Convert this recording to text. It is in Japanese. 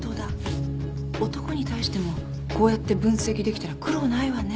男に対してもこうやって分析できたら苦労ないわね。